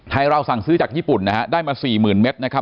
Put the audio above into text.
ไทยราวสั่งซื้อจากญี่ปุ่นได้มา๔๐๐๐๐เมตรนะครับ